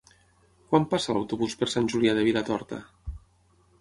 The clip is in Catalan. Quan passa l'autobús per Sant Julià de Vilatorta?